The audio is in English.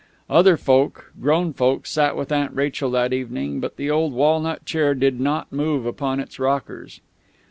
Other folk, grown folk, sat with Aunt Rachel that evening; but the old walnut chair did not move upon its rockers.